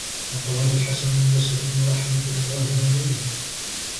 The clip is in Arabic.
وَقَالَ الْحَسَنُ الْبَصْرِيُّ رَحْمَةُ اللَّهِ عَلَيْهِ